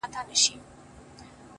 o زما سجده دي ستا د هيلو د جنت مخته وي؛